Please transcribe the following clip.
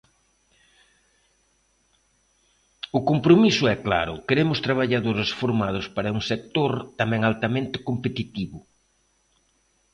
O compromiso é claro, queremos traballadores formados para un sector tamén altamente competitivo.